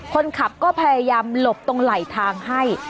คนขับก็พยายามหลบตรงไหลทางให้